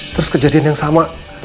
terus kejadian yang sama